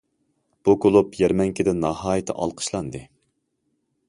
بۇ كۇلۇب يەرمەنكىدە ناھايىتى ئالقىشلاندى.